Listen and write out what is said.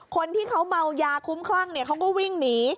คนที่เขาเมายาคุ้มคลั่งเขาก็วิ่งหนี